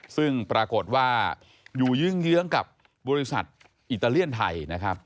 ซึ่งปรากฏว่าอยู่เยื้องกับบริษัทอิตาเลียนไทยนะครับ